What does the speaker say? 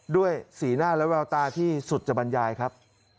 ด้วยสีหน้าและแววตาที่สุดจะบรรยายครับ